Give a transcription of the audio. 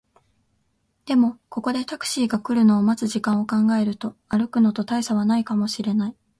でも、ここでタクシーが来るのを待つ時間を考えると、歩くのと大差はないかもしれない